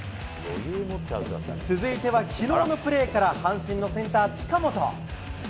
続いてはきのうのプレーから、阪神のセンター、近本。